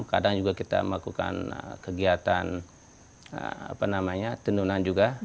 kadang juga kita melakukan kegiatan tenunan juga